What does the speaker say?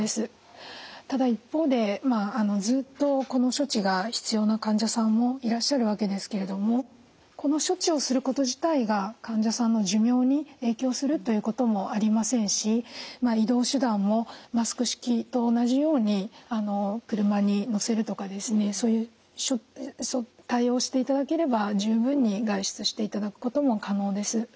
ただ一方でずっとこの処置が必要な患者さんもいらっしゃるわけですけれどもこの処置をすること自体が患者さんの寿命に影響するということもありませんし移動手段もマスク式と同じように車に乗せるとかですねそういう対応をしていただければ十分に外出していただくことも可能です。